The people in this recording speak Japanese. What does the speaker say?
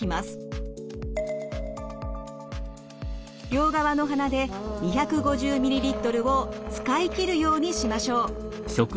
両側の鼻で２５０ミリリットルを使い切るようにしましょう。